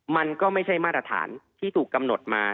มันก็ไม่ใช่มาตรฐานที่ถูกกำหนดมา